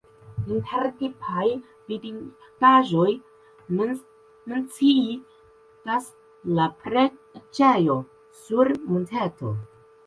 Inter tipaj vidindaĵoj menciindas la preĝejo sur monteto.